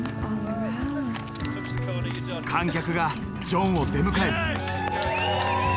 観客がジョンを出迎える。